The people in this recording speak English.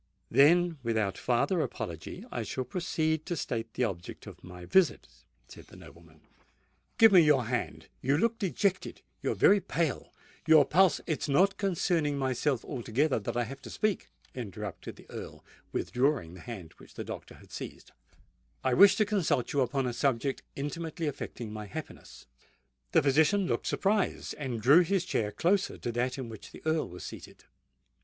"Then, without farther apology, I shall proceed to state the object of my visit," said the nobleman. "Give me your hand—you look dejected—you are very pale—your pulse——" "It is not concerning myself altogether that I have to speak," interrupted the Earl, withdrawing the hand which the doctor had seized: "I wish to consult you upon a subject intimately affecting my happiness." The physician looked surprised, and drew his chair closer to that in which the Earl was seated.